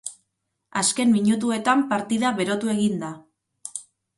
Azken minutuetan partida berotu egin da.